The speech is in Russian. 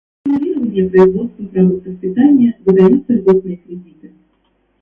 С целью стимулирования производства продуктов питания выдаются льготные кредиты.